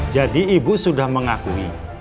jadi ibu sudah mengakui